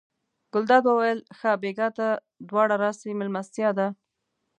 ګلداد وویل ښه بېګا ته دواړه راسئ مېلمستیا ده.